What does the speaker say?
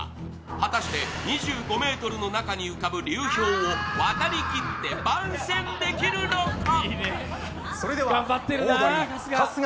果たして、２５ｍの中に浮かぶ流氷を渡りきって番宣できるのか？